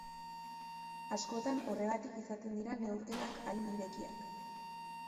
Askotan horregatik izaten dira neurketak hain irekiak.